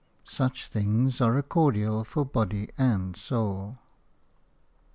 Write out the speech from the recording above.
Such things are a cordial for body and soul.